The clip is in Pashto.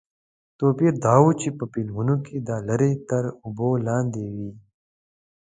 توپیر دا و چې په فلمونو کې دا لارې تر اوبو لاندې وې.